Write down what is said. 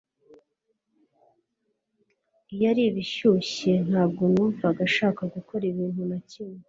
Iyo ari ibi bishyushye ntabwo numva nshaka gukora ikintu na kimwe